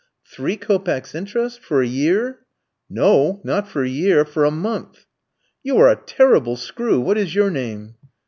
"Three kopecks interest for a year?" "No, not for a year, for a month." "You are a terrible screw, what is your name?"